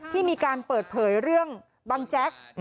ที่มีการเปิดเผยเรื่องบังแจ๊ก